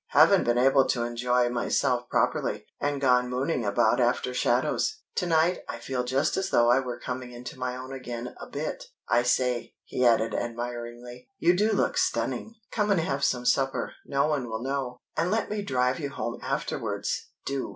Haven't been able to enjoy myself properly, and gone mooning about after shadows. To night I feel just as though I were coming into my own again a bit. I say," he added, admiringly, "you do look stunning! Come and have some supper no one will know and let me drive you home afterwards. Do!"